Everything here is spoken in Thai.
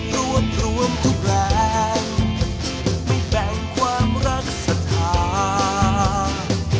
รวบรวมทุกแรงไม่แบ่งความรักสถาน